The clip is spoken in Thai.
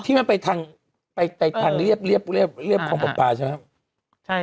ที่มันไปทางเรียบเรียบของผมปลาใช่ไหมครับ